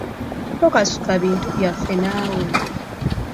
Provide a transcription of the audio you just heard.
Tokasuka bintu byaffe naawe.